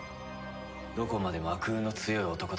どこまでも悪運の強い男だ。